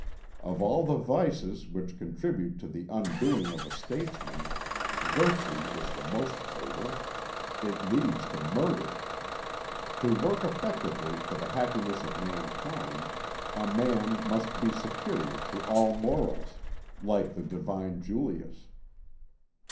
Of all the vices which contribute to the undoing of a statesman, virtue is the most fatal; it leads to murder. To work effectively for the happiness of mankind, a man must be superior to all morals, like the divine Julius.